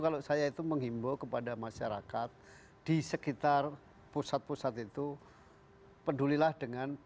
kalau saya itu menghimbau kepada masyarakat di sekitar pusat pusat itu pedulilah dengan